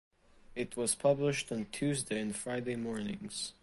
It was published on Tuesday and Friday mornings.